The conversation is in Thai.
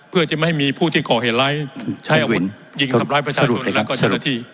เพื่อจะไม่ให้มีผู้ที่ก่อเหตุร้ายใช้อาวุธยิงทำร้ายประชาชนแล้วก็เจ้าหน้าที่